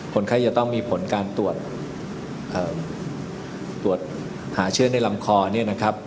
คนไข้จะต้องมีผลการตรวจตรวจหาเชื้อในลำคอเนี่ยนะครับ